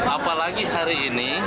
apalagi hari ini